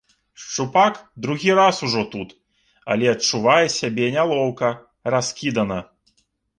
Шчупак другі раз ужо тут, але адчувае сябе нялоўка, раскідана.